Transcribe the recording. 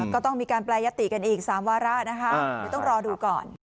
ก็ต้องมีการแปรยติกันอีก๓วาระนะคะเดี๋ยวต้องรอดูก่อน